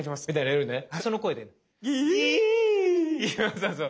そうそう。